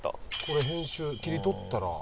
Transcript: これ編集切り取ったらまだ。